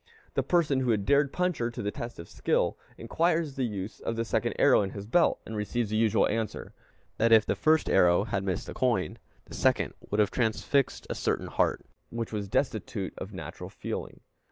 The person who had dared Puncher to the test of skill, inquires the use of the second arrow in his belt, and receives the usual answer, that if the first arrow had missed the coin, the second would have transfixed a certain heart which was destitute of natural feeling.